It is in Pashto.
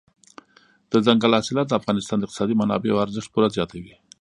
دځنګل حاصلات د افغانستان د اقتصادي منابعو ارزښت پوره زیاتوي.